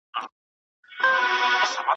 موټر چلونکي وویل چې نن د کار بازار ډېر سوړ دی.